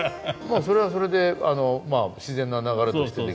それはそれで自然な流れとしてできる。